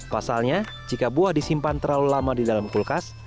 pasalnya jika buah disimpan terlalu lama di dalam kulkas